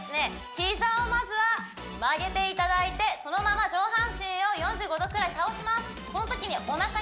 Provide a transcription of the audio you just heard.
膝をまずは曲げていただいてそのまま上半身を４５度くらい倒します